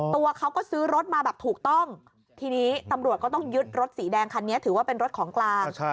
ตัวเขาก็ซื้อรถมาแบบถูกต้องทีนี้ตำรวจก็ต้องยึดรถสีแดงคันนี้ถือว่าเป็นรถของกลาง